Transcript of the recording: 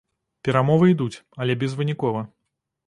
Перамовы ідуць, але безвынікова.